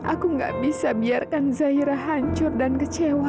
aku nggak bisa biarkan zahira hancur dan kecewa